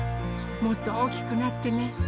もっとおおきくなってね。